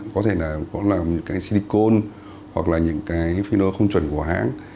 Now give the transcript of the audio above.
có thể là có là những cái silicone hoặc là những cái filler không chuẩn của hãng